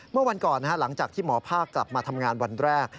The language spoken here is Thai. เมื่อวันก่อนหลังจากที่หมอภาคกลับมาทำงานวันแรก